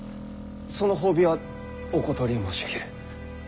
その褒美はお断り申し上げる。